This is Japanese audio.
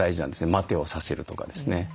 「待て」をさせるとかですね。